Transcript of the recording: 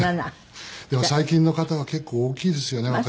でも最近の方は結構大きいですよね